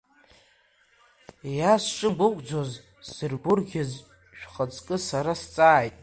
Иа сшымгәыӷӡоз сзыргәырӷьаз шәхаҵкы сара сцааит!